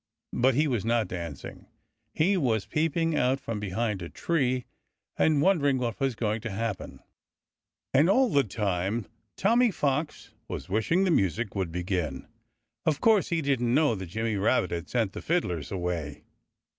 But he was not dancing. He was peeping out from behind a tree, and wondering what was going to happen. And all the time Tommy Fox was wishing the music would begin. Of course, he didn't know that Jimmy Rabbit had sent the fiddlers away.